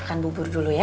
makan bubur dulu ya